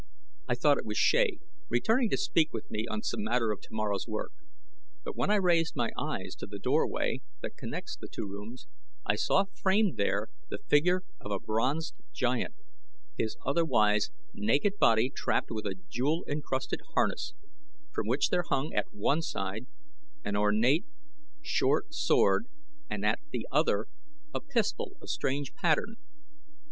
I thought it was Shea returning to speak with me on some matter of tomorrow's work; but when I raised my eyes to the doorway that connects the two rooms I saw framed there the figure of a bronzed giant, his otherwise naked body trapped with a jewel encrusted harness from which there hung at one side an ornate short sword and at the other a pistol of strange pattern.